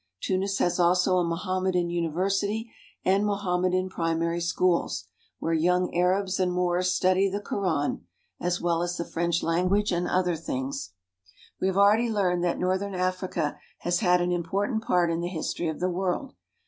Tunis has also a Mohammedan university and Mohammedan primary schools, where young Arabs and Moors study the Koran, as well as the French language and other things. We have already learned that northern Africa has had an important part in the history of the world.